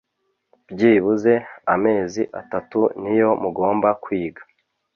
byibuze amezi atatu niyo mugomba kwiga